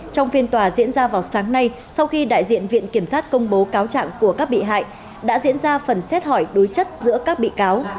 trong phiên tòa diễn ra vào sáng nay sau khi đại diện viện kiểm sát công bố cáo trạng của các bị hại đã diễn ra phần xét hỏi đối chất giữa các bị cáo